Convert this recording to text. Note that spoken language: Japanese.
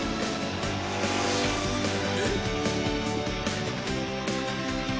えっ？